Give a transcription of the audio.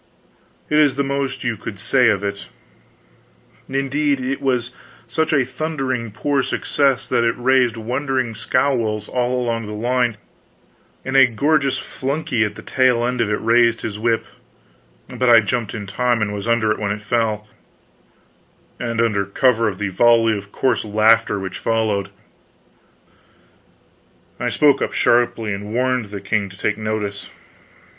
It is the most you could say of it. Indeed, it was such a thundering poor success that it raised wondering scowls all along the line, and a gorgeous flunkey at the tail end of it raised his whip; but I jumped in time and was under it when it fell; and under cover of the volley of coarse laughter which followed, I spoke up sharply and warned the king to take no notice.